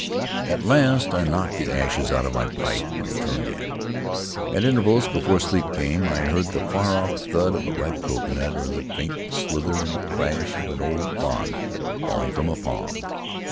At last I knocked the ashes out of my pipe and turned in; at intervals, before sleep came, I heard the far off thud of a ripe coconut, or the faint slither and crash of an old frond, falling from a palm.